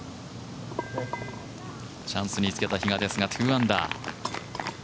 チャンスにつけた比嘉ですが、２アンダー。